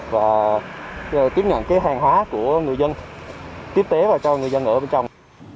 và tiếp nhận hàng hóa của người dân tiếp tế và cho người dân ở bên trong